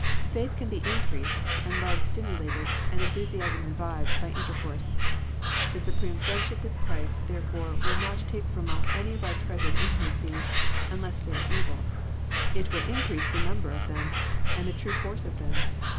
Faith can be increased, and love stimulated, and enthusiasm revived by intercourse. The supreme friendship with Christ therefore will not take from us any of our treasured intimacies, unless they are evil. It will increase the number of them, and the true force of them.